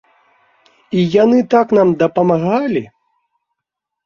І яны так нам дапамагалі!